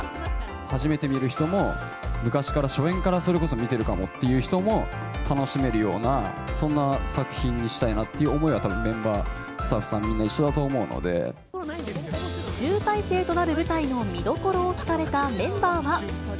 初めて見る人も、昔から、初演からそれこそ見てるという人も、楽しめるような、そんな作品にしたいなっていう思いはたぶん、メンバー、スタッフさんみんな一集大成となる舞台の見どころを聞かれたメンバーは。